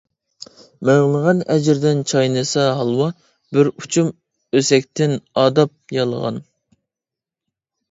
مىڭلىغان ئەجرىدىن چاينىسا ھالۋا، بىر ئۇچۇم ئۆسەكتىن ئاداپ يالىغان.